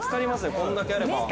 こんだけあれば。